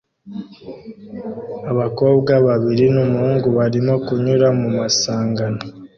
Abakobwa babiri n'umuhungu barimo kunyura mu masangano